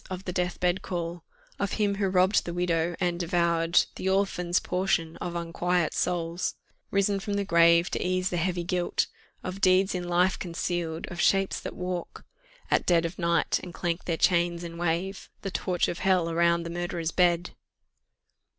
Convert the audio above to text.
of the deathbed call Of him who robb'd the widow, and devour'd The orphan's portion of unquiet souls Ris'n from the grave, to ease the heavy guilt Of deeds in life conceal'd of shapes that walk At dead of night, and clank their chains, and wave The torch of Hell around the murderer's bed!"